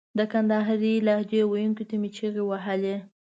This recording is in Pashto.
د کندهارۍ لهجې ویونکو ته مې چیغې وهلې.